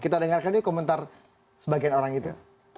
kita dengarkan yuk komentar sebagian orang itu